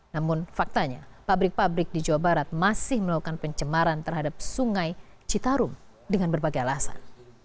namun faktanya pabrik pabrik di jawa barat masih melakukan pencemaran terhadap sungai citarum dengan berbagai alasan